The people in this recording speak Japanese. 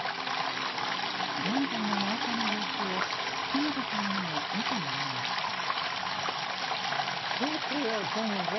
現在の真岡の様子を木本さんにも見てもらいました。